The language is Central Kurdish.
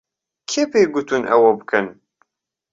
کێ پێی گوتوون ئەوە بکەن؟